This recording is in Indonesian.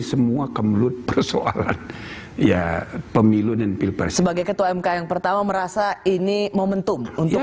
semua kemelut persoalan ya pemilu dan pilpres sebagai ketua mk yang pertama merasa ini momentum untuk